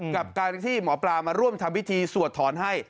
กับการที่หมอปลามาร่วมทำพิธีสวดถอนให้